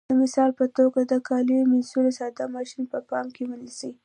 د مثال په توګه د کالیو منځلو ساده ماشین په پام کې ونیسئ.